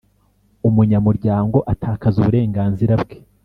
Umunyamuryango atakaza uburenganzira bwe.